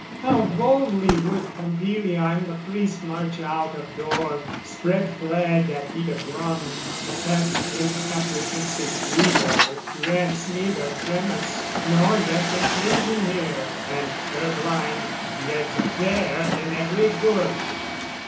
How boldly would Pompilia and the priest March out of door, spread flag at beat of drum, But that inapprehensive Guido grants Neither premiss nor yet conclusion here, And, purblind, dreads a bear in every bush!